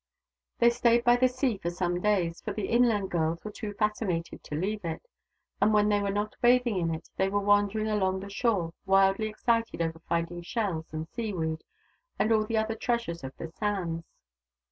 They stayed by the Sea for some days, for the inland girls were too fascinated to leave it, and when they were not bathing in it, they were wandering along the shore, wildly excited over finding shells and seaweed and all the other treasures of the sands.